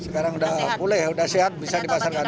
sekarang udah pulih udah sehat bisa dipasarkan